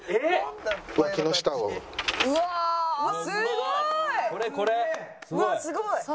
すごい！